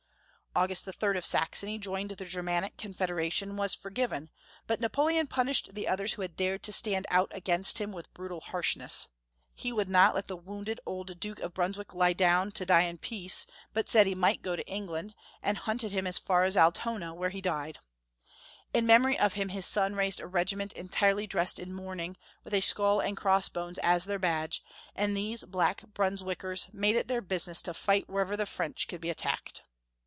August III. of Saxony joined the Germanic Confederation, and was forgiven, but Napoleon punished the others who had dared to stand out against him with brutal harshness. He would not let the wounded old Duke of Brunswick lie down to die in peace, but said he might go to England, 442 Young FoVcb^ History of Q ermany. and hunted him as far as Altona, where he died. In memory of him his son raised a regiment entirely dressed in mourning, with a skull and cross bones as their badge, and these Black Brunswick ers made it their business to fight wherever the French could be attacked.